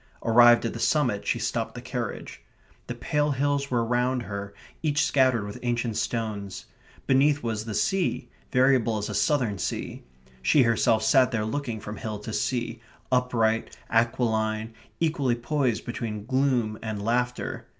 Arrived at the summit, she stopped the carriage. The pale hills were round her, each scattered with ancient stones; beneath was the sea, variable as a southern sea; she herself sat there looking from hill to sea, upright, aquiline, equally poised between gloom and laughter.